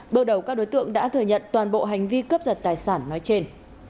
bước đầu các đối tượng đã thừa nhận toàn bộ hành vi cướp giật tài sản nói trên